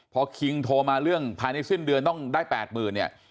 พอคิงโทรมาเรื่องภายในสิ้นเดือนต้องได้๘๐๐๐เนี่ย